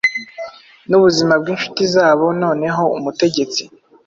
Nubuzima bwinshuti zabo Noneho umutegetsi